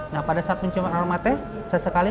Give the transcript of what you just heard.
nah pada saat mencium aromanya kita akan mencuri